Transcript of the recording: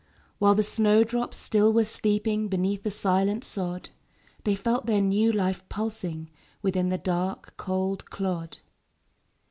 While the snow drops still were sleeping Beneath the silent sod; They felt their new life pulsing Within the dark, cold clod.